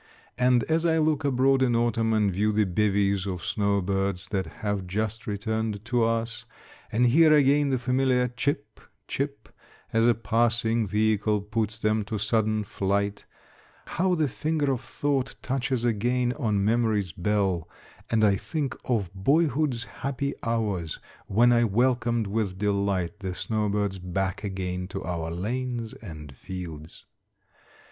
And as I look abroad in autumn, and view the bevies of snowbirds that have just returned to us, and hear again the familiar "chip," "chip," as a passing vehicle puts them to sudden flight, how the finger of thought touches again on memory's bell, and I think of boyhood's happy hours, when I welcomed with delight the snowbirds back again to our lanes and fields.